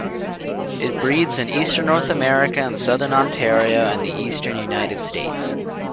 It breeds in eastern North America in southern Ontario and the eastern United States.